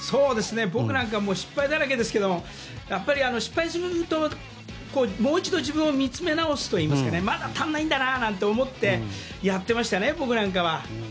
僕なんか失敗だらけですがやっぱり、失敗するともう一度自分を見つめ直すというかまだ足らないんだなと思ってやっていました僕なんかは。